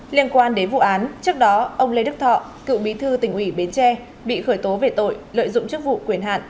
liên quan đến vụ án trước đó ông lê đức thọ cựu bí thư tỉnh ủy bến tre bị khởi tố về tội lợi dụng chức vụ quyền hạn